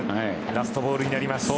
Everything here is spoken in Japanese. ラストボールになります。